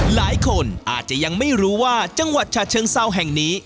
หลายคนอาจจะยังไม่รู้ว่าจังหวัดฉะเชิงเซาแห่งนี้